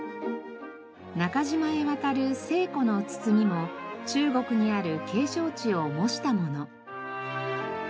中島へ渡る西湖の堤も中国にある景勝地を模したもの。